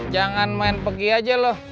jangan main pergi aja loh